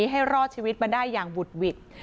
ให้รอดชีวิตมาได้อย่างบุดหวิด